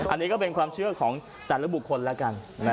อันนี้ก็เป็นความเชื่อของแต่ละบุคคลแล้วกัน